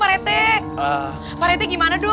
pak retik pak retik gimana dong